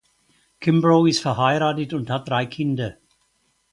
Kimbrough ist verheiratet und hat drei Kinder.